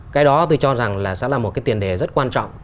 cái đó tôi cho rằng là sẽ là một cái tiền đề rất quan trọng